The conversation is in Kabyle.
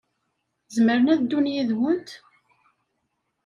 Zemren ad ddun yid-went?